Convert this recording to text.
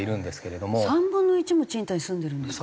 ３分の１も賃貸に住んでいるんですか。